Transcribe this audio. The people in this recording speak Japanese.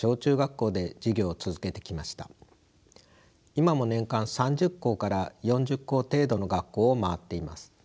今も年間３０校から４０校程度の学校を回っています。